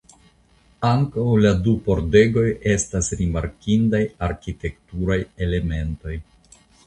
Ankaŭ la du pordegoj estas rimarkindaj arkitekturaj elementoj.